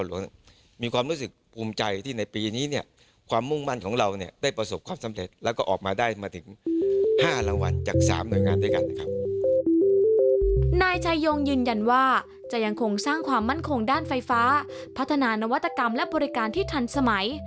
นายชายงยืนยันว่าจะยังคงสร้างความมั่นคงด้านไฟฟ้าพัฒนานวัตกรรมและบริการที่ทันสมัย